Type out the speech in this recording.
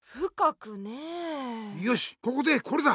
よしここでコレだ！